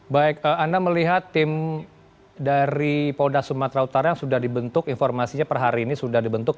baik anda melihat tim dari polda sumatera utara yang sudah dibentuk informasinya per hari ini sudah dibentuk